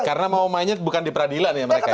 karena mau mainnya bukan di peradilan ya mereka ya